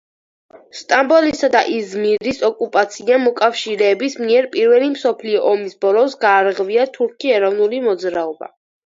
სტამბოლისა და იზმირის ოკუპაციამ მოკავშირეების მიერ პირველი მსოფლიო ომის ბოლოს გააღვივა თურქული ეროვნული მოძრაობა.